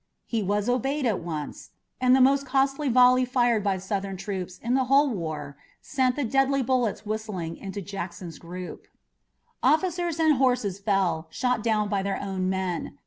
He was obeyed at once, and the most costly volley fired by Southern troops in the whole war sent the deadly bullets whistling into Jackson's group. Officers and horses fell, shot down by their own men.